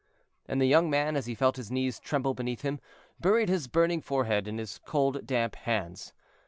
And the young man, as he felt his knees tremble beneath him, buried his burning forehead in his cold damp hands.